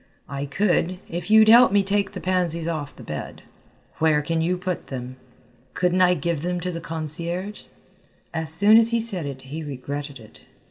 "I could, if you'd help me take the pansies off the bed." "Where can you put them?" "Couldn't I give them to the concierge?" As soon as he said it he regretted it.